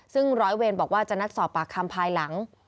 ซึ่งร้อยเวรบอกว่าจะนัดสอบปากคำภายหลัง